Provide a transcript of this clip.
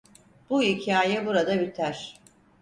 Bu hikaye burada biter!